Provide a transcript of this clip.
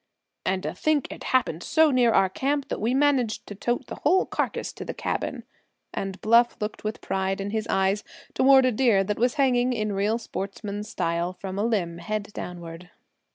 "And to think it happened so near our camp that we managed to tote the whole carcass to the cabin," and Bluff looked with pride in his eyes toward a deer that was hanging, in real sportsman style, from a limb, head downward.